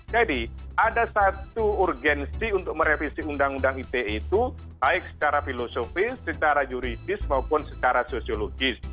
jadi ada satu urgensi untuk merevisi undang undang itei itu baik secara filosofis secara juridis maupun secara sosiologis